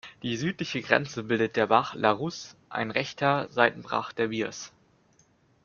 Die südliche Grenze bildet der Bach "La Raus", ein rechter Seitenbach der Birs.